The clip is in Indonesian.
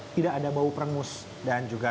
tidak ada bau perenmus dan juga